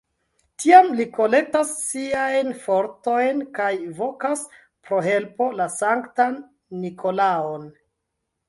Tiam li kolektas siajn fortojn kaj vokas pro helpo la sanktan Nikolaon.